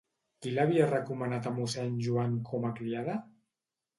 Qui l'havia recomanat a mossèn Joan com a criada?